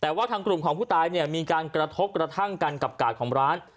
แต่ว่าทางกลุ่มของผู้ตายเนี่ยมีการกระทบกระทั่งกันกับกาดของร้าน